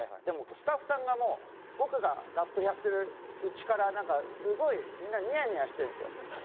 でもスタッフさんがもう僕がラップやってるうちからなんかすごいみんなニヤニヤしてるんですよ。